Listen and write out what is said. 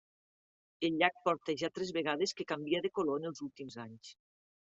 El llac porta ja tres vegades que canvia de color en els últims anys.